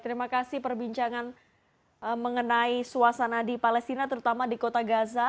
terima kasih perbincangan mengenai suasana di palestina terutama di kota gaza